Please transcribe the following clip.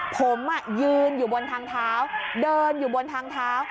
ผมยืนอยู่บนทางเท้าเดินอยู่บนทางเท้า